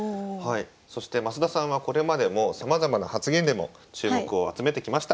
そして増田さんはこれまでもさまざまな発言でも注目を集めてきました。